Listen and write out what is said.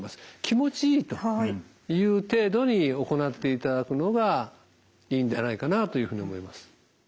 気持ちいいという程度に行っていただくのがいいんではないかなというふうに思います。